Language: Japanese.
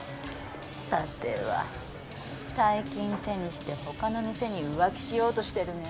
さては大金手にして他の店に浮気しようとしてるね？